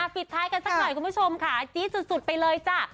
ปิดท้ายกันสักหน่อยคุณผู้ชมค่ะจี๊ดสุดไปเลยจ้ะ